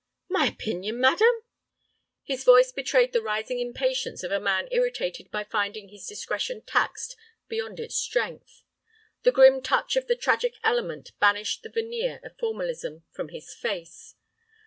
"My opinion, madam!" His voice betrayed the rising impatience of a man irritated by finding his discretion taxed beyond its strength. The grim touch of the tragic element banished the veneer of formalism from his face.